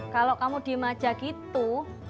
kalau kamu diem aja gitu